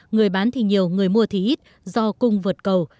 người bán thì nhiều người mua thì ít do cung vượt cầu